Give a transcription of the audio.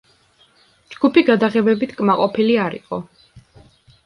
ჯგუფი გადაღებებით კმაყოფილი არ იყო.